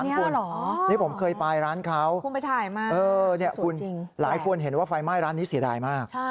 อันนี้ผมเคยไปร้านเขาหลายคนเห็นว่าไฟไหม้ร้านนี้เสียดายมาก